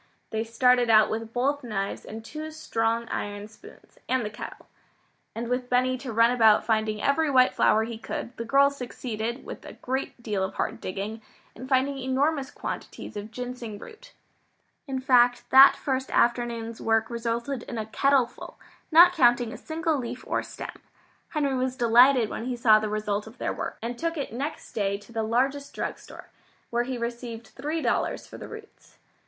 They started out with both knives and two strong iron spoons, and the kettle. And with Benny to run about finding every white flower he could, the girls succeeded, with a great deal of hard digging, in finding enormous quantities of ginseng root. In fact that first afternoon's work resulted in a kettle full, not counting a single leaf or stem. Henry was delighted when he saw the result of their work, and took it next day to the largest drug store, where he received three dollars for the roots.